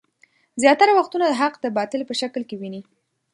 زياتره وختونه حق د باطل په شکل کې ويني.